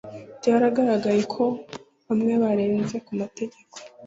Byaragaragaye ko bamwe barenze ku mategeko